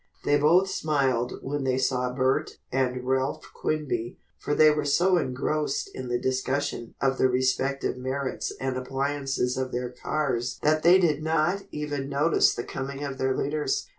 They both smiled when they saw Bert and Ralph Quinby, for they were so engrossed in the discussion of the respective merits and appliances of their cars that they did not even notice the coming of their leaders.